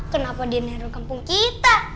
kenapa di neru kampung kita